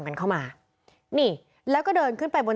เมื่อวานแบงค์อยู่ไหนเมื่อวาน